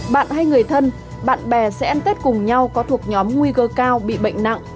bạn hay người thân bạn bè sẽ ăn tết cùng nhau có thuộc nhóm nguy cơ cao bị bệnh nặng